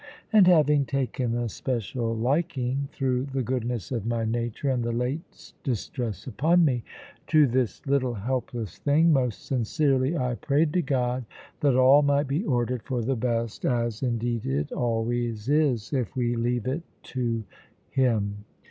And having taken a special liking (through the goodness of my nature and the late distress upon me) to this little helpless thing, most sincerely I prayed to God that all might be ordered for the best; as indeed it always is, if we leave it to Him.